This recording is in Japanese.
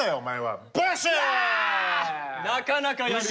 なかなかやるな。